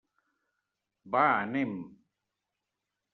Va, anem.